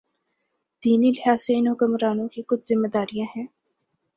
دینی لحاظ سے ان حکمرانوں کی کچھ ذمہ داریاں ہیں۔